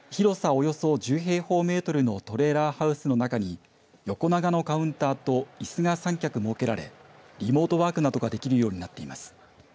およそ１０平方メートルのトレーラーハウスの中に横長のカウンターといすが３脚設けられリモートワークなどができるようになっています。